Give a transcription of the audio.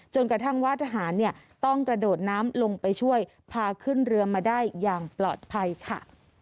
กระทั่งว่าทหารต้องกระโดดน้ำลงไปช่วยพาขึ้นเรือมาได้อย่างปลอดภัยค่ะ